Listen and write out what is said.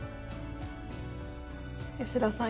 吉田さん